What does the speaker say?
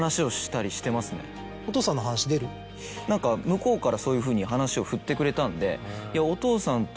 向こうからそういうふうに話をふってくれたんで。